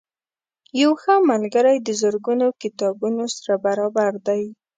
یو ښه ملګری د زرګونو کتابتونونو سره برابر دی.